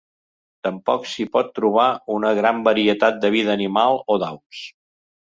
Tampoc s'hi pot trobar una gran varietat de vida animal o d'aus.